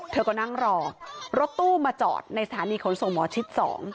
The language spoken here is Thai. เธอก็นั่งรอรถตู้มาจอดในสถานีขนส่งหมอชิด๒